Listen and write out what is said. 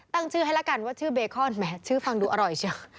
ตั้งชื่อให้ละกันว่าชื่อเบคอนแหมชื่อฟังดูอร่อยเชียว